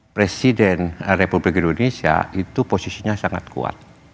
presiden republik indonesia itu posisinya sangat kuat